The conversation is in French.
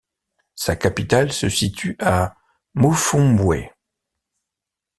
Sa capitale se situe à Mufumbwe.